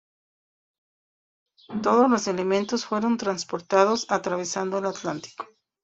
Todos los elementos fueron transportados atravesando el Atlántico.